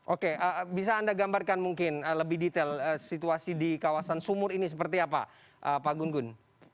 oke bisa anda gambarkan mungkin lebih detail situasi di kawasan sumur ini seperti apa pak gun gun